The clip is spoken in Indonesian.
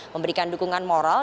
memberikan dukungan moral